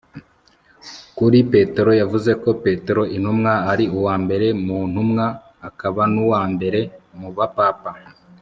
kuri petero, yavuze ko petero intumwa ari uwa mbere mu ntumwa akaba n'uwa mbere mu ba papa